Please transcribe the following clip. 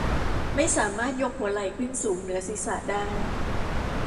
ไม่สามารถยกหัวไหล่ขึ้นสูงเหนือศีรษะได้